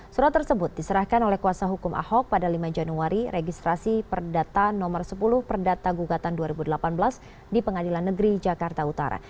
surat tersebut diserahkan oleh kuasa hukum ahok pada lima januari registrasi perdata nomor sepuluh perdata gugatan dua ribu delapan belas di pengadilan negeri jakarta utara